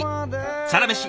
「サラメシ」